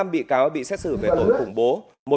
bốn mươi năm bị cáo bị xét xử về tội khủng bố